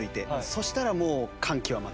そしたらもう。